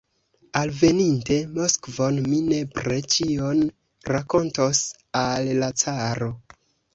Alveninte Moskvon, mi nepre ĉion rakontos al la caro.